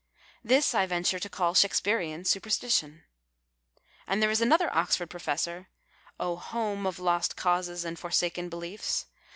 This I venture to call Shakespearian superstition. And there is another Oxford i)rofcssor (oh, home of lost causes and forsaken beliefs